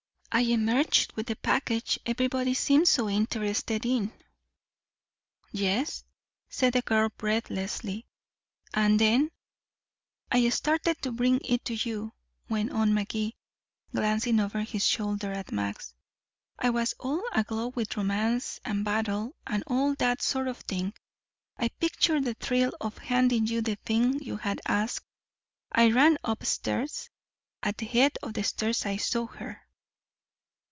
I emerged with the package everybody seems so interested in." "Yes," said the girl breathlessly. "And then " "I started to bring it to you," went on Magee, glancing over his shoulder at Max. "I was all aglow with romance, and battle, and all that sort of thing. I pictured the thrill of handing you the thing you had asked. I ran up stairs. At the head of the stairs I saw her."